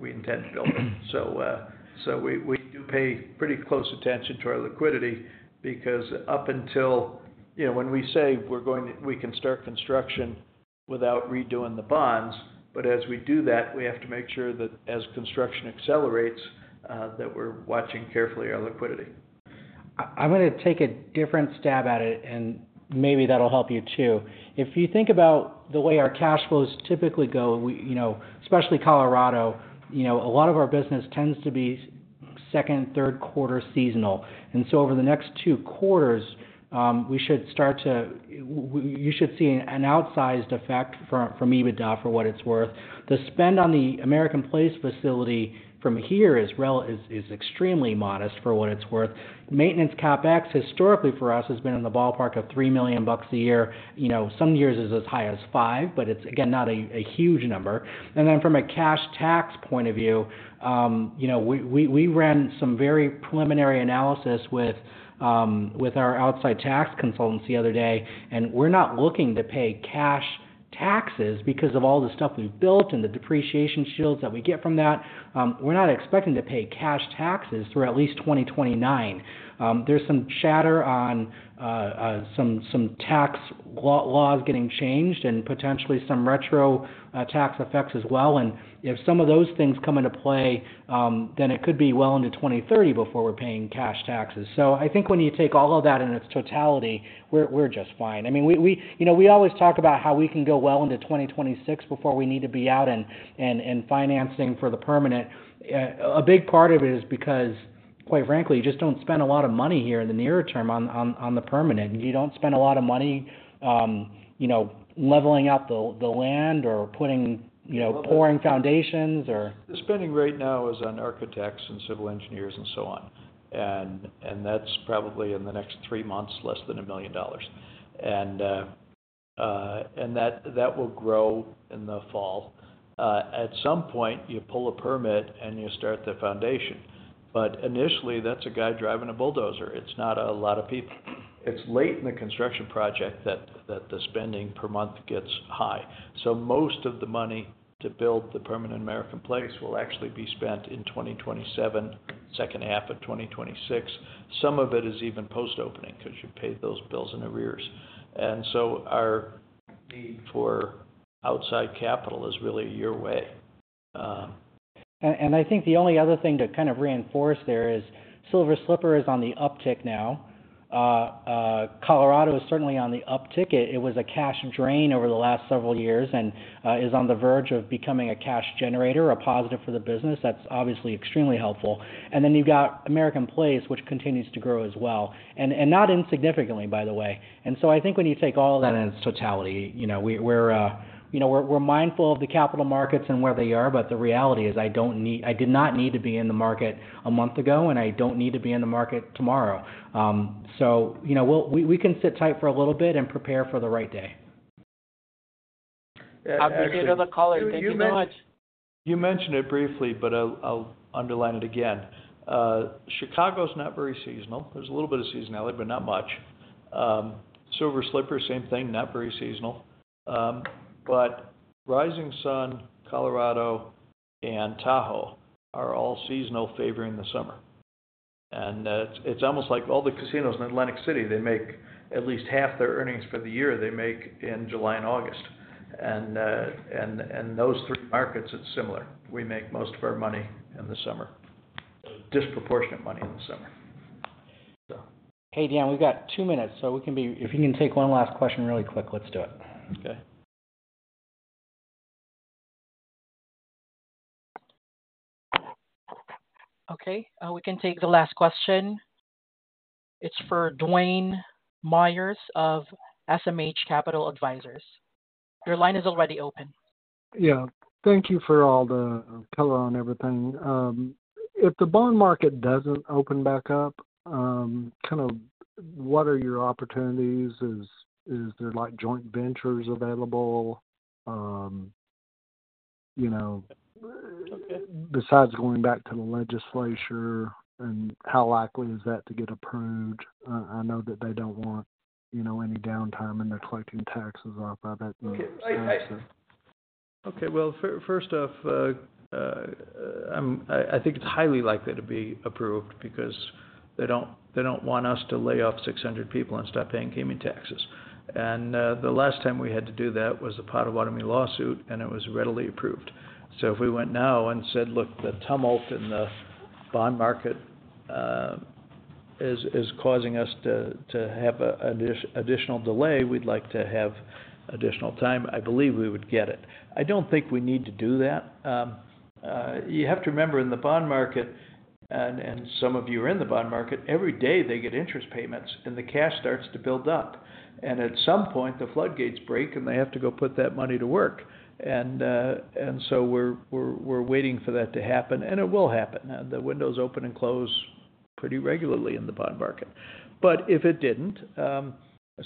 we intend to build it. We do pay pretty close attention to our liquidity because up until, you know, when we say we can start construction without redoing the bonds, as we do that, we have to make sure that as construction accelerates, we are watching carefully our liquidity. I'm going to take a different stab at it. Maybe that'll help you too. If you think about the way our cash flows typically go, especially Colorado, you know a lot of our business tends to be second, third quarter seasonal. Over the next two quarters, you should see an outsized effect from EBITDA for what it's worth. The spend on the American Place facility from here is extremely modest for what it's worth. Maintenance CapEx, historically for us, has been in the ballpark of $3 million a year. You know some years is as high as $5 million. It's, again, not a huge number. From a cash tax point of view, you know we ran some very preliminary analysis with our outside tax consultants the other day. We're not looking to pay cash taxes because of all the stuff we've built and the depreciation shields that we get from that. We're not expecting to pay cash taxes through at least 2029. There's some chatter on some tax laws getting changed and potentially some retro tax effects as well. If some of those things come into play, then it could be well into 2030 before we're paying cash taxes. I think when you take all of that in its totality, we're just fine. I mean, you know we always talk about how we can go well into 2026 before we need to be out in financing for the permanent. A big part of it is because, quite frankly, you just don't spend a lot of money here in the near term on the permanent. You don't spend a lot of money leveling out the land or pouring foundations. The spending right now is on architects and civil engineers and so on. That is probably in the next three months less than $1 million. That will grow in the fall. At some point, you pull a permit and you start the foundation. Initially, that is a guy driving a bulldozer. It is not a lot of people. It is late in the construction project that the spending per month gets high. Most of the money to build the permanent American Place will actually be spent in 2027, second half of 2026. Some of it is even post-opening because you paid those bills in arrears. Our need for outside capital is really your way. I think the only other thing to kind of reinforce there is Silver Slipper is on the up tick now. Colorado is certainly on the up tick. It was a cash drain over the last several years and is on the verge of becoming a cash generator, a positive for the business. That's obviously extremely helpful. You have American Place, which continues to grow as well. And not insignificantly, by the way. I think when you take all of that in its totality, you know we're mindful of the capital markets and where they are. The reality is I did not need to be in the market a month ago. I don't need to be in the market tomorrow. You know we can sit tight for a little bit and prepare for the right day. I'm going to go to the caller. Thank you so much. You mentioned it briefly, but I'll underline it again. Chicago's not very seasonal. There's a little bit of seasonality, but not much. Silver Slipper, same thing, not very seasonal. Rising Sun, Colorado, and Tahoe are all seasonal, favoring the summer. It's almost like all the casinos in Atlantic City, they make at least half their earnings for the year they make in July and August. In those three markets, it's similar. We make most of our money in the summer, disproportionate money in the summer. Hey, Dan, we've got two minutes. If you can take one last question really quick, let's do it. Okay. Okay. We can take the last question. It's for Dwayne Moyers of SMH Capital Advisors. Your line is already open. Yeah. Thank you for all the color on everything. If the bond market doesn't open back up, kind of what are your opportunities? Is there joint ventures available? You know, besides going back to the legislature and how likely is that to get approved? I know that they don't want any downtime and they're collecting taxes off of it. OK. First off, I think it's highly likely to be approved because they don't want us to lay off 600 people and start paying gaming taxes. The last time we had to do that was the Pottawattamie lawsuit. It was readily approved. If we went now and said, look, the tumult in the bond market is causing us to have an additional delay, we'd like to have additional time, I believe we would get it. I don't think we need to do that. You have to remember, in the bond market, and some of you are in the bond market, every day they get interest payments. The cash starts to build up. At some point, the floodgates break. They have to go put that money to work. We're waiting for that to happen. It will happen. The windows open and close pretty regularly in the bond market. If it did not,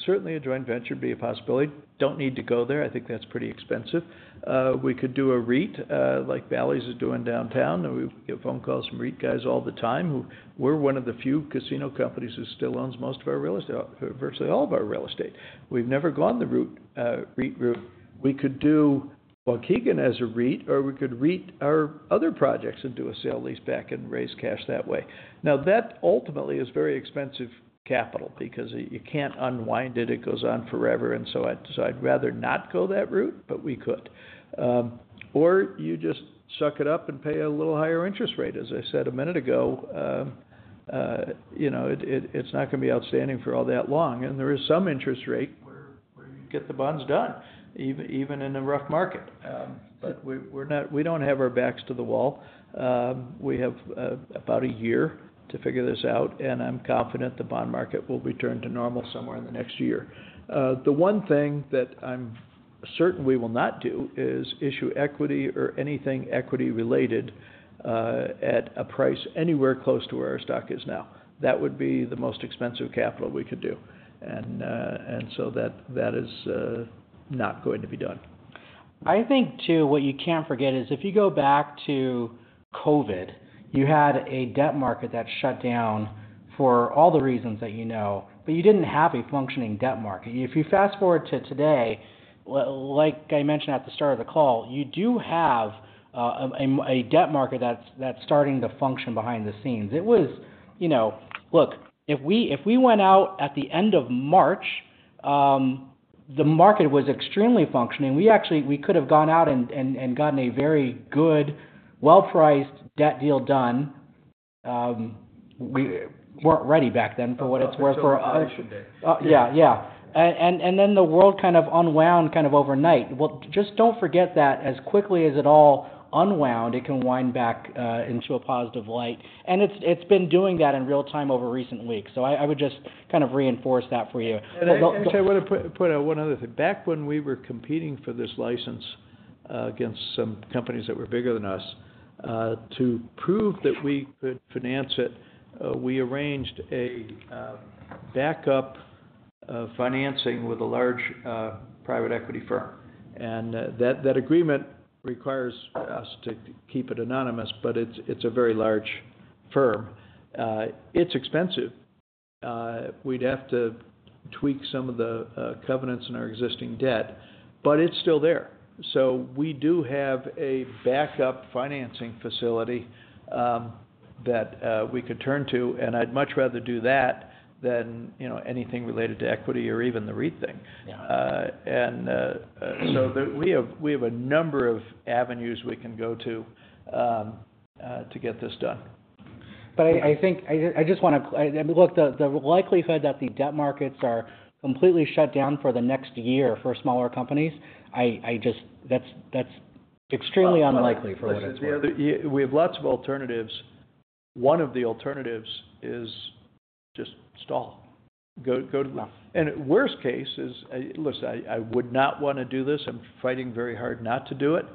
certainly a joint venture would be a possibility. Do not need to go there. I think that is pretty expensive. We could do a REIT, like Bally's is doing downtown. We get phone calls from REIT guys all the time. We are one of the few casino companies that still owns most of our real estate, virtually all of our real estate. We have never gone the REIT route. We could do Waukegan as a REIT. Or we could REIT our other projects and do a sale leaseback and raise cash that way. That ultimately is very expensive capital because you cannot unwind it. It goes on forever. I would rather not go that route. We could. You just suck it up and pay a little higher interest rate. As I said a minute ago, you know it's not going to be outstanding for all that long. There is some interest rate where you get the bonds done, even in a rough market. We don't have our backs to the wall. We have about a year to figure this out. I'm confident the bond market will return to normal somewhere in the next year. The one thing that I'm certain we will not do is issue equity or anything equity-related at a price anywhere close to where our stock is now. That would be the most expensive capital we could do. That is not going to be done. I think, too, what you can't forget is if you go back to COVID, you had a debt market that shut down for all the reasons that you know. You didn't have a functioning debt market. If you fast forward to today, like I mentioned at the start of the call, you do have a debt market that's starting to function behind the scenes. It was, you know, look, if we went out at the end of March, the market was extremely functioning. We could have gone out and gotten a very good, well-priced debt deal done. We weren't ready back then for what it's worth. Yeah. It was a price day. Yeah. Yeah. The world kind of unwound kind of overnight. Just do not forget that as quickly as it all unwound, it can wind back into a positive light. It has been doing that in real time over recent weeks. I would just kind of reinforce that for you. I want to point out one other thing. Back when we were competing for this license against some companies that were bigger than us, to prove that we could finance it, we arranged a backup financing with a large private equity firm. That agreement requires us to keep it anonymous. It is a very large firm. It is expensive. We would have to tweak some of the covenants in our existing debt. It is still there. We do have a backup financing facility that we could turn to. I would much rather do that than anything related to equity or even the REIT thing. Yeah. We have a number of avenues we can go to to get this done. I just want to, look, the likelihood that the debt markets are completely shut down for the next year for smaller companies, that's extremely unlikely for what it's worth. We have lots of alternatives. One of the alternatives is just stall. Worst case is, listen, I would not want to do this. I'm fighting very hard not to do it.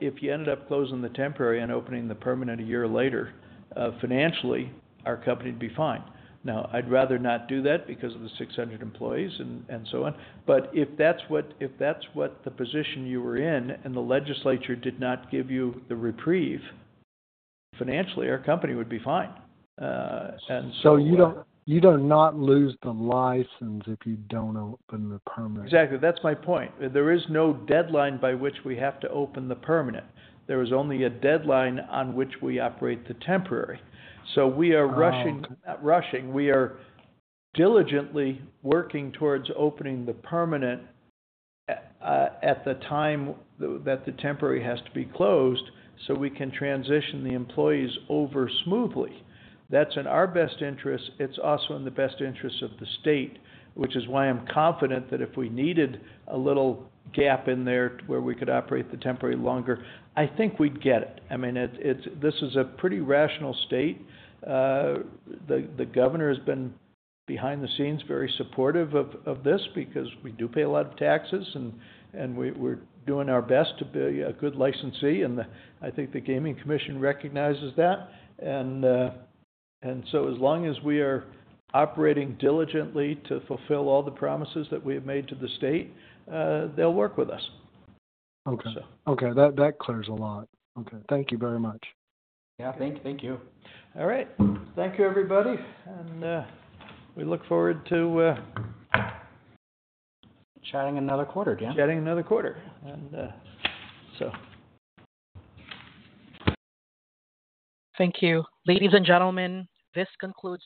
If you ended up closing the temporary and opening the permanent a year later, financially, our company would be fine. Now, I'd rather not do that because of the 600 employees and so on. If that's what the position you were in and the legislature did not give you the reprieve, financially, our company would be fine. You don't not lose the license if you don't open the permanent. Exactly. That's my point. There is no deadline by which we have to open the permanent. There is only a deadline on which we operate the temporary. We are rushing, not rushing. We are diligently working towards opening the permanent at the time that the temporary has to be closed so we can transition the employees over smoothly. That's in our best interest. It's also in the best interest of the state, which is why I'm confident that if we needed a little gap in there where we could operate the temporary longer, I think we'd get it. I mean, this is a pretty rational state. The governor has been behind the scenes very supportive of this because we do pay a lot of taxes. We're doing our best to be a good licensee. I think the Gaming Commission recognizes that. As long as we are operating diligently to fulfill all the promises that we have made to the state, they'll work with us. OK. OK. That clears a lot. OK. Thank you very much. Yeah. Thank you. All right. Thank you, everybody. We look forward to chatting another quarter, Dan. Chatting another quarter. Thank you. Thank you, ladies and gentlemen. This concludes.